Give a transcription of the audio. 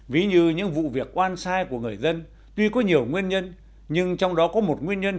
ví như những vụ việc oan sai của người dân tuy có nhiều nguyên nhân nhưng trong đó có một nguyên nhân